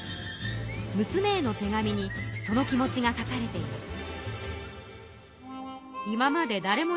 むすめへの手紙にその気持ちが書かれています。